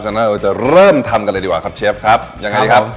ฉะนั้นเราจะเริ่มทำกันเลยดีกว่าครับเชฟครับยังไงดีครับ